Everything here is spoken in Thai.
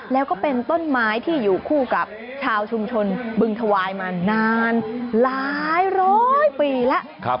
แล้วก็เป็นต้นไม้ที่อยู่คู่กับชาวชุมชนบึงถวายมานานหลายร้อยปีแล้ว